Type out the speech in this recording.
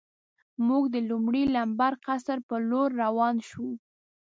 موږ د لومړي لمبر قصر په لور روان شو.